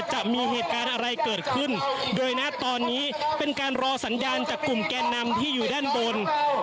จะมีเหตุการณ์อะไรเกิดขึ้นโดยณตอนนี้เป็นการรอสัญญาณจากกลุ่มแกนนำที่อยู่ด้านบน